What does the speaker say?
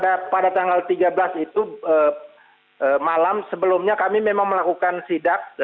pada tanggal tiga belas itu malam sebelumnya kami memang melakukan sidak